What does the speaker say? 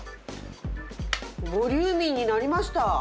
ボリューミーになりました。